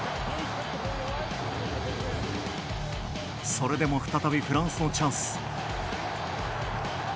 それでも再びフランスのチャンス。